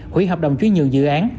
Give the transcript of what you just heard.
hủy hợp đồng chuyển nhượng dự án